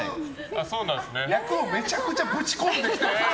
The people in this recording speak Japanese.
役をめちゃくちゃぶち込んできた！